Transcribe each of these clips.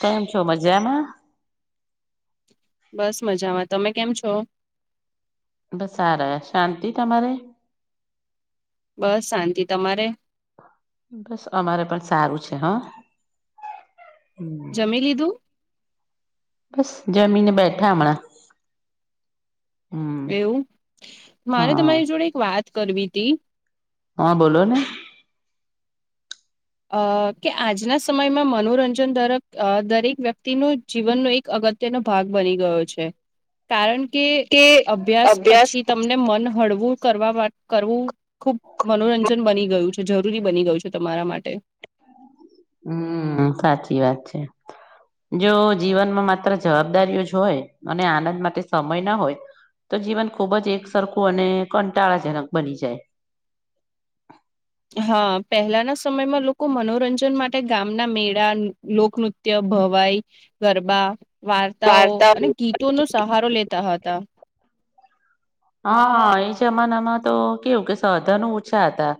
કેમ છો મજામાં? બસ મજામાં. તમે કેમ છો? બસ સારા શાંતિ તમારે બસ શાંતિ તમારે બસ અમારે પણ સારું છે હા હમ જમી લીધું બસ જમીને બેઠા હમણાં હમ એવું મારે હા તમારી જોડે એક વાત કરવી હતી હા બોલો ને અ કે આજના સમયમાં મનોરંજન દરક દરેક વ્યક્તિનું જીવનનો એક અગત્યનો ભાગ બની ગયો છે કારણ કે અભ્યાસ પછી તમને મન હળવું કરવા કરવું ખુબ મનોરંજન બની ગયું છે જરૂરી બની ગયું છે તમારા માટે હમ સાચી વાત છે જો જીવનમાં માત્ર જવાબદારીઓ જ હોય અને આનંદ માટે સમય ના હોય તો જીવન ખૂબ જ એક સરરખું અને કંટાળાજનક બની જાય હા પહેલાના સમયમાં લોકો મનોરંજન માટે ગામના મેળા લોકનૃત્ય નત્ય ભવાઈ ગરબા વાર્તાઓ અને ગીતો નો સહારો લેતા હતા હા એ જમાનામાં તો કેવું કે સાધન ઓછા હતા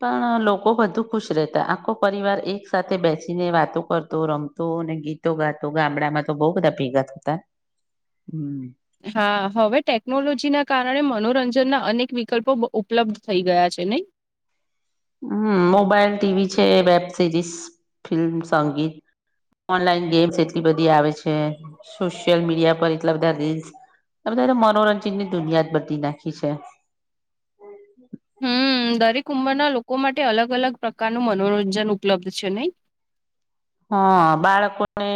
પણ લોકો બધુ ખુશ રહેતા આખો પરિવાર એક સાથે બેસીને વાતો કરતો રમતો અને ગીત ગામડામાં તો બહ બધા ભેગા થતા હમ હા હવે ટેકનોલોજી ના કારણે મનોરંજન ના અનેક વિકલ્પો ઉપલબ્ધ થઈ ગયા છે નહી હમ મોબાઈલ ટીવી છે વેબ સિરીિઝ ફિલ્મ સંગીત ઓનલાઈન ગેમ્સ એટલી બધી આવે છે સોશિયલ મીડિયા પર એટલા બધા રીલ્સ અધારે મનોરંજન ની દુનિયાદ બી નાખી છે હમ દરેક ઉંમરના લોકો માટે અલગ અલગ પ્રકાર ન મનોરંજન ઉપલબ્ધ છે નઈ હા બાળકોને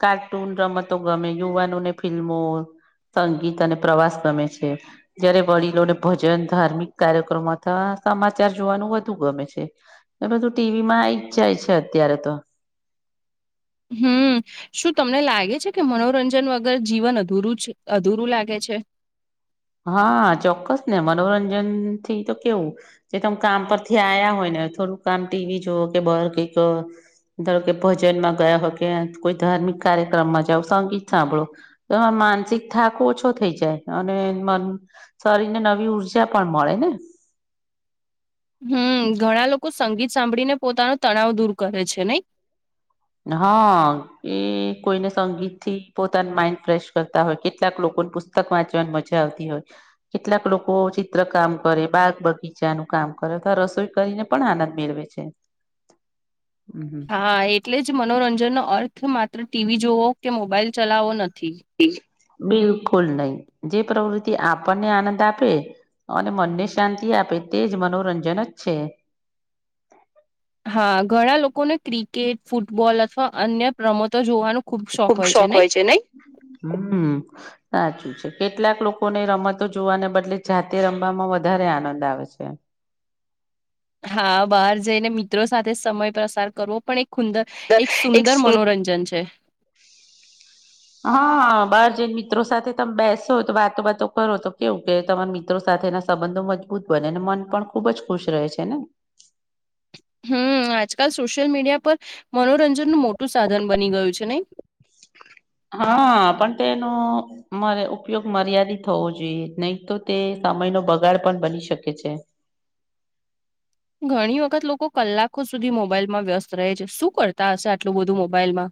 કાર્ટૂન રમતો ગમે યુવાનોને ફિલ્મો સંગીત અને પ્રવાસ ગમે છે જયારે વડીલોને ભજન ધાર્મિક કાર્યક્રમો અથવા સમાચાર જોવાનું વધુ ગમે છે એ બધું ટીવી માં આ જાય છે અત્યારે તો હમ શું તમને લાગે છે કે મનોરંજન વગર જીવન અધૂરું અધૂરું લાગે છે હા ચોક્કસ ને મનોરંજન થી તો કેવું જે તમે કામ પરથી આ્યા હોય ને થોડું કામ ટીવી જોવ કે બર કઈક ધારો કે ભજનમાં ગયા હોય કે કોઈ ધાર્મિક કાર્યક્રમમાં જાઓ સંગીત સાંભળો તો એમાં માનસિક થાક ઓછો થઈ જાય અને શરીર ને નવી ઉઊર્જા પણ મળે ને હમ ઘણા લોકો સંગીત સાંભળીને પોતાનો તણાવ દૂર કરે છે નઈ હા એ કોઈને સંગીત થી પોતાના માઈન્ડ ફ્રેશ કરતા હોય કેટલાક લોકોને પત પુસ્તક વાંચવાની મજા આવતી હોય કેટલાક લોકો ચિત્ર કામ કરે બાગ બગીચા નું કામ કરે અથવા રસોઈ કરીને પણ આનંદ મેળવે છે [inaudible] હમ હમ હા એટલે જ મનોરંજનનો અર્થ માત્ર ટીવી જોવો કે મોબાઈલ ચલાવો નથી બિલકુલ નહી જે પ્રવૃતિ આપણને આનંદ આપે અને મનને શાંતિ આપે તેજ મનોરંજન જ છે હા ઘણા લોકોને ક્રિકેટ ફૂટબોલ અથવા અન્ય પ્રમોતો જોવાનું ખુબ શોખ હોય છે નહી હમ સાચું છે કેટલાક લોકોને રમતો જોવાને બદલે જાતે રમવામાં વધારે આનંદ આવે છે હા બહાર જઈને મિત્રો સાથે સમય પ્રસાર કરવો પણ એક ખુંદર અ એક સુંદર મનોરંજન [inaudible] હા બાર જને મિત્રો સાથે તમે બેસો તો વાતો વાતો કરો તો કેવું કે તમારા મિત્રો સાથેના સંબંધો મજબૂત બનેને મન પણ ખુબ જ ખુશ રહે છે ને હમ આજકાલ સોશિયલ મીડિયા પર મનોરંજન ન મોટું સાધન બની ગયું છે નઈ હા પણ તેનું રે ઉપયોગ મર્યાદિત થવો જોઈએ નહી તો તે સમય નો બગાડ પણ બની શકે છે ઘણી વખત લોકો કલાકો સુધી મોબાઈલમાં વ્યસ્ત રહે છે શું કરતા હશે આટલું બધું મોબાઈલમાં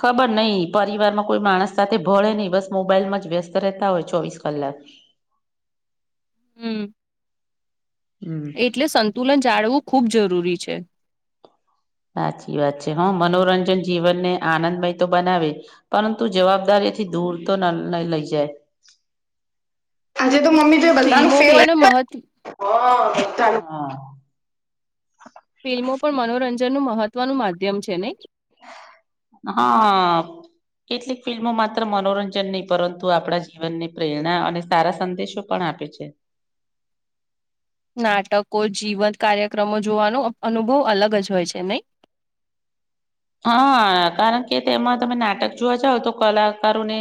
ખબર નહિ પરિવાર માં કોઈ માણસ સાથે ભળે નહીિ બસ મોબાઈલ માં જ વ્યસ્ત રહેતા હોય ચોવીસ કલાક હમ હમ હમ એટલે સંતુલન જાળવું ખુબ જરૂરી છે સાચી વાત છે હા મનોરંજન જીવનને આનંદમય તો બનાવે પરંતુ જવાબદારીથી દૂર તો લઈ જાય હાજ તું મ્મી ત બલાનું ફિલ્મો ફેલ પણ મહત્વ ફિલ્મો પણ મનોરંજન નું મહત્વનું માધ્યમ છે નહી હા કેટલીક ફિલ્મો માત્ર મનોરંજન નહી પરંતુ આપણા જીવનની પ્રેરણા અને સારા સંદેશો પણ આપે છે નાટકો જીવન કાર્યક્રમો જોવાનો અનુભવ અલગ જ હોય છે નહી. હા કારણ કે તેમાં તમે નાટક જોવા જાવઓ તો કલાકારોને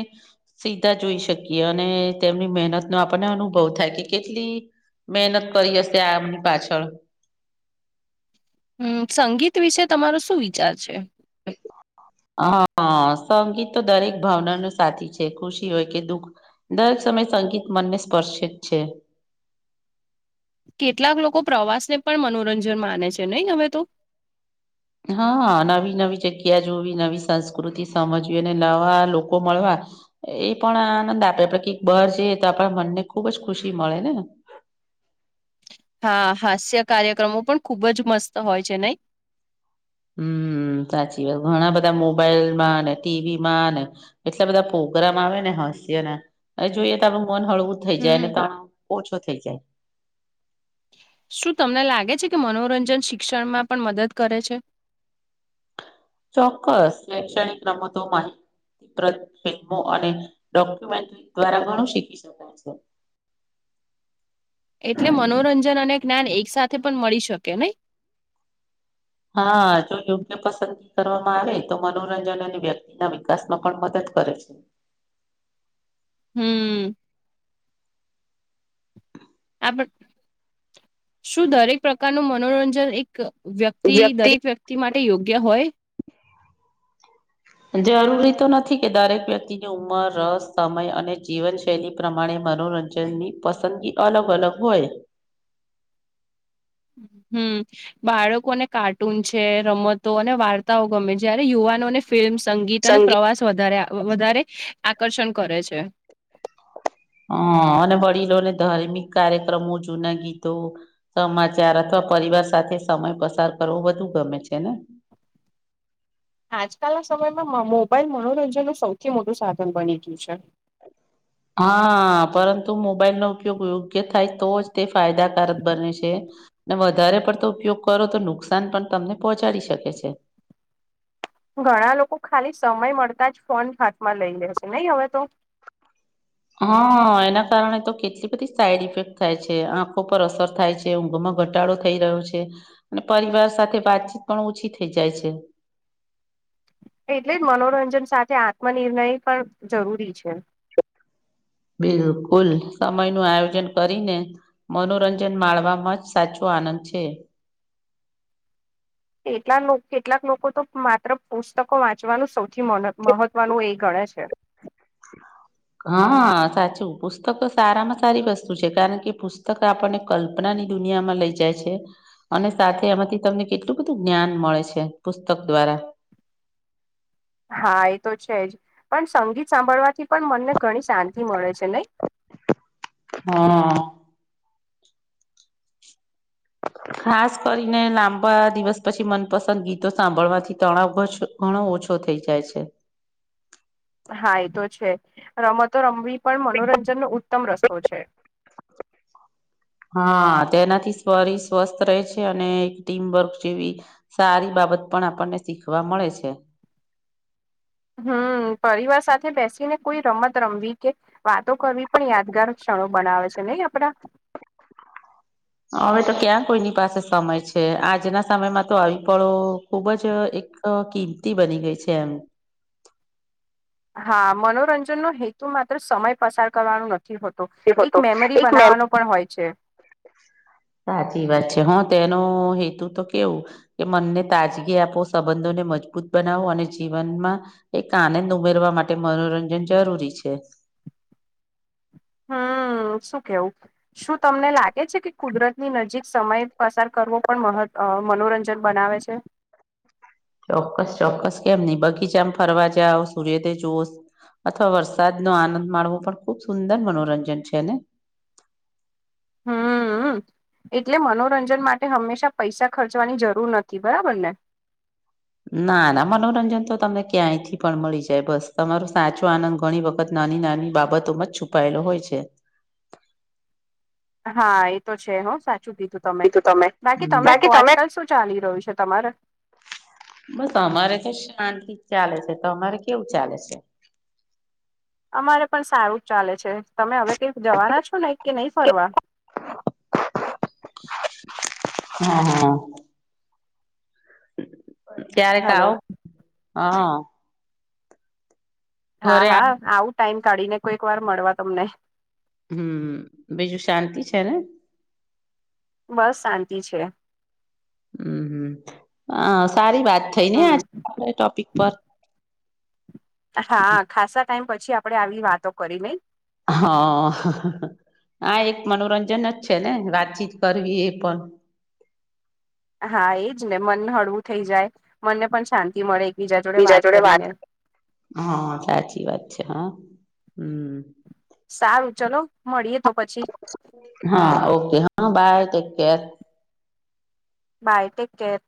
સીધા જોઈ શકીએ અને તેમની મહેનતનો આપણને અનુભવ થાય કે કેટલી મહેનત કરી હશે આમની પાછળ. હમ સંગીત વિશે તમારો શું વિચાર છે. હા હ સંગીત તો દરેક ભાવના ન સાથી છે ખુશી હોય કે દુઃખ. દરેક સમયે સંગીત મને સ્પર્શ જ છે. કેટલાક લોકો પ્રવાસને પણ મનોરંજન માને છે નહી હવે તો. હા નવી નવી જગ્યા જોવી નવી સંસ્કૃતિ સમજવી અને નવા લોકો મળવા એ પણ આંદ આપે આપડે કઈક બહાર જએ તો આપણા મનને ખુબ જ ખુશી મળે ને. હા હાસ્ય કાર્યક્રમો પણ ખુબ જ મસ્ત હોય છે નહી. હમ સાચી વાત ઘણા બધા મોબાઈલ માં ને ટીવી માં ને એટલા બધા પ્રગ્રામ આવે ને હાસ્યના જોઈએ તો આપડું મન હળવું થઈ જાય અને હમ તણ ઓછો થઈ જાય. શું તમને લાગે છે કે મનોરંજન શિક્ષણમાં પણ મદદ કરે છે. ચોક્કસ શૈક્ષણિક રમતો માહિત ફમો અને ડોક્યુમેન્ટ દ્વારા ઘણું શીખી શકાય છે. એટલે મનોરંજન અને જ્ઞાન એક સાથે પણ મળી શકે નહી. હા જો યોગ્ય પસંદગી કરવામાં આવે તો મનોરંજનની વ્યક્તિ એ ના વિકાસ માં પણ મદદ કરે છે. હમ. આપ શું દરેક પ્રકારનું મનોરંજન એક ક વ્યક્તિ દરેક વ્યક્તિ માટે યોગ્ય હોય. જરૂરી તો નથી કે દરેક વ્યક્તિની ઉંમર રસ સમય અને જીવનશૈલી પ્રમાણે મનોરંજન જેની પસંદગી અલગ અલગ હોય. હમ. બાળકોને કાર્ટૂન છે રમતો અને વાર્તાઓ ગમે જ્યારે યુવાનોને ફિલ્મ સંગીત અને પ્રવાસ વધારે વધારે આકર્ષણ કરે છે. હ અને વડીલોને ધાર્મિક કાર્યક્રમો જૂના ગીતો સમાચાર અથવા પરિવાર સાથે સમય પસાર કરવો બધું ગમે છે ને. આજકાલના સમયમાં મોબાઈલ મનોરંજન ન સૌથી મોટું સાધન બની ગયું છે. હા પરંતુ મોબાઈલનો ઉપયોગ યોગ્ય થાય તો જ તે ફાયદાકારક બને છે. ને વધારે પડતો ઉપયોગ કરો તો નુકસાન પણ તમને પહોંચાડી શકે છે. ઘણા લોકો ખાલી સમય મળતા જ ફોન હાથમાં લઈ લે છે નહી હવે તો. હ એના કારણે તો કેટલી બધી સાઈડ ઇફેક્ટ થાય છે આંખો પર અસર થાય છે. ઊંઘમાં ઘટાડો થઈ રહ્યો છે અને પરિવાર સાથે વાતચીત પણ ઓછી થઈ જાય છે. એટલે જ મનોરંજન સાથે આત્મનિર્ણય પણ જરૂરી છે. બિલકુલ સમય નું આયોજન કરીને મનોરંજન માળવામાં જ સાચો આનંદ છે. કેટલાલો કેટલાક લોકો તો માત્ર પુસ્તકો વાંચવાનું સૌથી મને મહત્વનું એ ગણે છે. [inaudible] હ સાચું પુસ્તકતો સારામાં સારી વસ્તુ છે કારણ કે પુસ્તક આપણને કલ્પના ની દુનિયામાં લઈ જાય છે અને સાથે એમાંથી તમને કેટલું બધું જ્ઞાન મળે છે પુસ્તક દ્વારા. હા એ તો છે જ પણ સંગીત સાંભળવાથી પણ મનને ઘણી શાંતિ મળે છે નહી. હ. ખાસ કરીને લાંબા દિવસ પછી મનપસંદ ગીતો સાંભળવાથી તણાવ ઓછો ઘણો ઓછો થઈ જાય છે. હા ઈ તો છે રમતો રમવી પણ મનોરંજન નો ઉત્તમ રસ્તો છે. હા તેનાથી શરીર સ્વસ્થ રહે છે અને એક ટીમવર્ક જેવી સારી બાબત પણ આપણને શીખવા મળે છે. હમ પરિવાર સાથે બેસીને કોઈ રમત રમવી કે વાતો કરવી પણ યાદગાર ક્ષણો બનાવે છે નહી આપડા હવે તો ક્યાં કોઈની પાસે સમય છે આજના સમયમાં તો આવી પડો ખુબ જ એક કિંમતી બની ગઈ છે એમ. હા મનોરંજન નો હેતુ માત્ર સમય પસાર કરવાનો નથી. નથી હોતો એક હતો મેમરી એક બનાવાનો પણ હોય છે. સાચી વાત છે હ તેનો હેતુ તો કેવું. કે મનને તાજગી આપો સંબંધોને મજબૂત બનાવો અને જીવનમાં એક આનંદ ઉમેરવા માટે મનોરંજન જરૂરી છે. હમ શું કેવું શું તમને લાગે છે કે કુદરતની નજીક સમય પસાર કરવો પણ મહ મનોરંજન બનાવે છે. ચોક્કસ ચોક્કસ કેમ નઈ બગીચામાં ફરવા જાઓ સૂર્યોદય જોશ. અથવા વરસાદ નો આનંદ માણવો પણ ખુબ સુંદર મનોરંજન છે ને. હમ હમ. એટલે મનોરંજન માટે હંમેશા પૈસા ખર્ચવાની જરૂર નથી બરાબર ને. નાના મનોરંજન તો તમને ક્યાંયથી પણ મળી જાય બસ તમારું સાચું આનંદ ઘણી વખત ત નાની નાની બાબતોમાં છુપાયેલો હોય છે. હા એ તો છે હોં સાચું કીધું. તમે બાકી તમે કો આજકાલ શું ચાલી રહ્યું છે તમારે. બસ અમારે તો શાંતિ ચાલે છે તમારે કેવું ચાલે છે? અમારે પણ સારું જ ચાલે છે તમે હવે કઈક જવાના છો નહી કે નહી ફરવા. [inaudible] ક્યારેક હલો આવો હ. હા ઘરે હા આવ આવું ટાઈમ કાઢી ને કોઈક વાર મળવા તમને. હમ બીજું શાંતિ છે ને? બસ શાંતિ છે. હમ અ સારી વાત થઈ ને હમ આજ આપ ટોપિક પર. હા ખાસા ટાઈમ પછી આપડે આવી વાતો કરી નઈ. હ આ એક મનોરંજન જ છે ને વાતચીત કરવી એ પણ. હા એજ ને મન હળવું થઈ જાય મનને પણ શાંતિ મળે. બીજા જોડે વાત હા સાચી વાત છે હા હમ. સારું ચલો મળીએ તો પછી. હા ઓકે હા bye take care. Bye take care.